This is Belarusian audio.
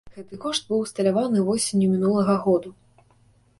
Гэты кошт быў усталяваны восенню мінулага году.